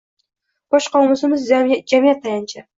Bosh qomusimiz jamiyat tayanchi